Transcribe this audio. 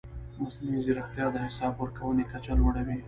مصنوعي ځیرکتیا د حساب ورکونې کچه لوړوي.